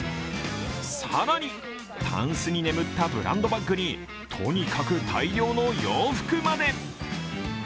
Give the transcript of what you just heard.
更にタンスに眠ったブランドバッグにとにかく大量の洋服まで。